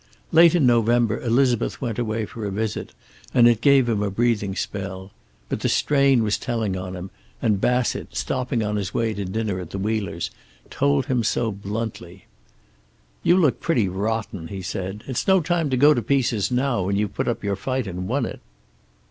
Late in November Elizabeth went away for a visit, and it gave him a breathing spell. But the strain was telling on him, and Bassett, stopping on his way to dinner at the Wheelers', told him so bluntly. "You look pretty rotten," he said. "It's no time to go to pieces now, when you've put up your fight and won it."